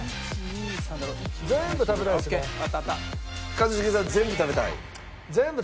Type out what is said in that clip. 一茂さん全部食べたい？